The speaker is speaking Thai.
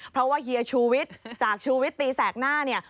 เพราะว่าเฮียชูวิทย์จากชูวิตตีแสกหน้าเนี่ย